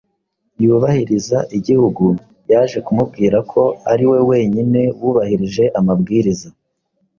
yubahiriza igihugu, yaje kumubwira ko ari we wenyine wubahirije amabwiriza